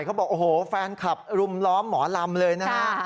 เขาบอกโอ้โหแฟนคลับรุมล้อมหมอลำเลยนะฮะ